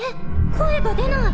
声が出ない！？